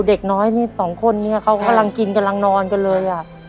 เด็กน้อยที่สองคนเนี่ยเขากำลังกินกำลังนอนกันเลยอ่ะ